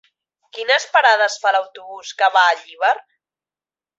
Quines parades fa l'autobús que va a Llíber?